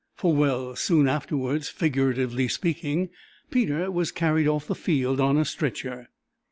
For, well, soon afterwards—figuratively speaking—Peter was carried off the field on a stretcher.